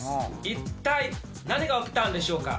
一体何が起きたんでしょうか。